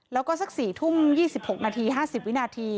แล้วก็สัก๔ทุ่ม๒๖นาที๕๐วินาที